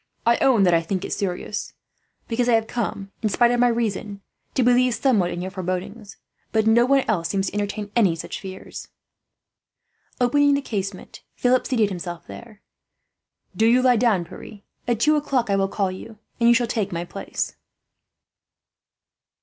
"I own that I think it serious, because I have come, in spite of my reason, to believe somewhat in your forebodings; but no one else seems to entertain any such fears." Opening the casement, Philip seated himself there. "Do you lie down, Pierre. At two o'clock I will call you, and you shall take my place."